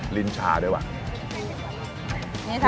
คนที่มาทานอย่างเงี้ยควรจะมาทานแบบคนเดียวนะครับ